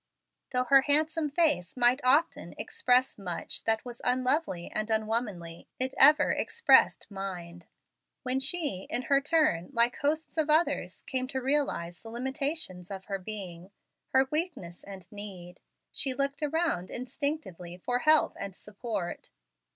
Though her handsome face might often express much that was unlovely and unwomanly, it ever expressed mind. When she, in her turn, like hosts of others, came to realize the limitations of her being, her weakness and need, she looked around, instinctively, for help and support.